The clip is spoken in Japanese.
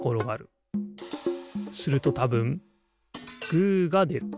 するとたぶんグーがでる。